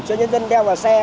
cho nhân dân đeo vào xe